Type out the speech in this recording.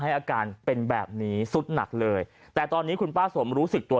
อาการเป็นแบบนี้สุดหนักเลยแต่ตอนนี้คุณป้าสมรู้สึกตัว